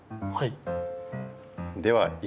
はい。